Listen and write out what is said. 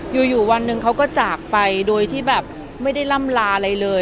อยู่วันหนึ่งเขาก็จากไปโดยที่แบบไม่ได้ล่ำลาอะไรเลย